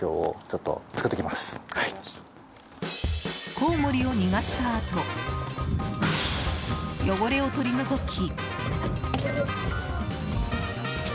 コウモリを逃がしたあと汚れを取り除き。